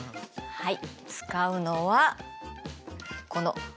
はい。